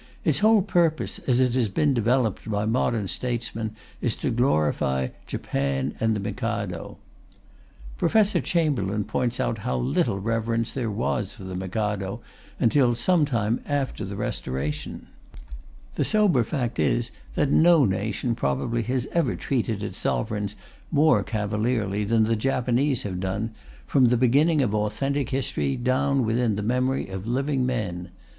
Its whole purpose, as it has been developed by modern statesmen, is to glorify Japan and the Mikado. Professor Chamberlain points out how little reverence there was for the Mikado until some time after the Restoration: The sober fact is that no nation probably has ever treated its sovereigns more cavalierly than the Japanese have done, from the beginning of authentic history down to within the memory of living men.